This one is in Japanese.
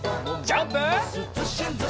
ジャンプ！